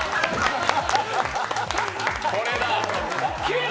これだ！